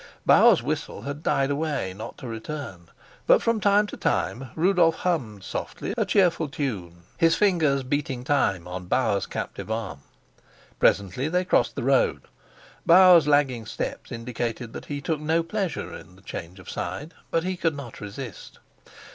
Bauer's whistle had died away, not to return; but from time to time Rudolf hummed softly a cheerful tune, his fingers beating time on Bauer's captive arm. Presently they crossed the road. Bauer's lagging steps indicated that he took no pleasure in the change of side, but he could not resist.